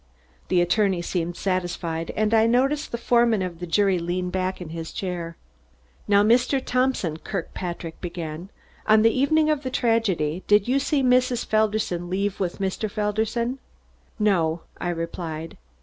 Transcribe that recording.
The attorney seemed satisfied and I noticed the foreman of the jury lean back in his chair. "Now, Mr. Thompson," Kirkpatrick began, "on the evening of the tragedy did you see Mrs. Felderson leave with Mr. Felderson?" "No," I replied.